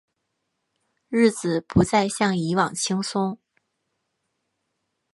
日子不再像以往轻松